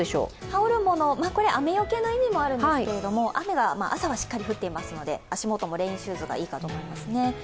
羽織るもの、雨よけの意味もあるんですけど雨は朝はしっかり降っていますので足元もレインシューズがいいあと思いますね。